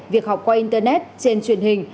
việc học qua internet trên truyền hình